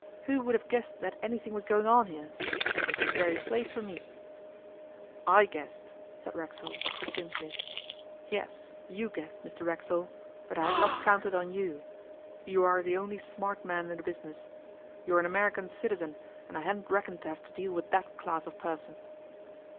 Who would have guessed that anything was going on here? It was the very place for me.' 'I guessed,' said Racksole succinctly. 'Yes, you guessed, Mr Racksole. But I had not counted on you. You are the only smart man in the business. You are an American citizen, and I hadn't reckoned to have to deal with that class of person.